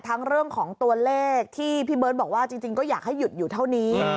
เรื่องของตัวเลขที่พี่เบิร์ตบอกว่าจริงก็อยากให้หยุดอยู่เท่านี้